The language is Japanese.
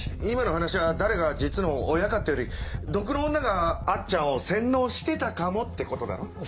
今の話は誰が実の親かってより毒の女があっちゃんを洗脳してたかもってことだろ？